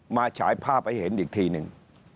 ฉายภาพให้เห็นอีกทีหนึ่ง